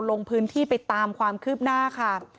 ลงพื้นที่ไปตามความคืบหน้าค่ะ